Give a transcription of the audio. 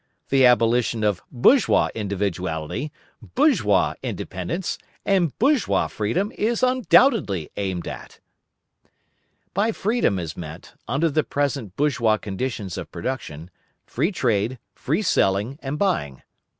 The abolition of bourgeois individuality, bourgeois independence, and bourgeois freedom is undoubtedly aimed at. By freedom is meant, under the present bourgeois conditions of production, free trade, free selling and buying.